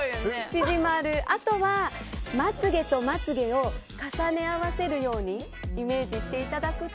あとは、まつ毛とまつ毛を重ね合わせるようにイメージしていただくと。